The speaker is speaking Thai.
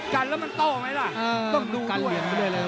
กันแล้วมันโตไหมล่ะต้องดูด้วยมันกันเหลี่ยมไปเรื่อยเลย